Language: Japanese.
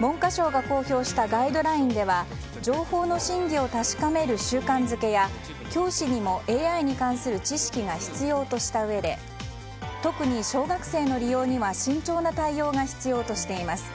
文科省が公表したガイドラインでは情報の真偽を確かめる習慣づけや教師にもＡＩに関する知識が必要としたうえで特に小学生の利用には慎重な対応が必要としています。